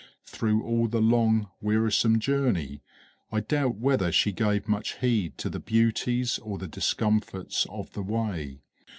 Through all the long, wearisome journey, I doubt whether she gave much heed to the beauties or the discomforts of the way.